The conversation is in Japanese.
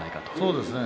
そうですね。